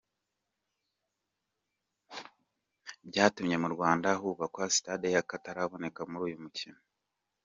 Byatumye mu Rwanda hubakwa Stade y’akataraboneka muri uyu mukino.